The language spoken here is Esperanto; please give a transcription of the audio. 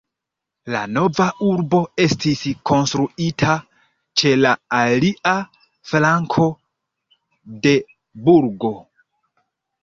La nova urbo estis konstruita ĉe la alia flanko de burgo.